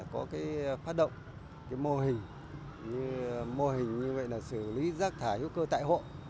có phát động mô hình như mô hình xử lý rác thả hữu cơ tại hộ